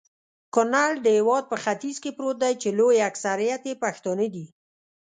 کونړ د هيواد په ختیځ کي پروت دي.چي لوي اکثريت يي پښتانه دي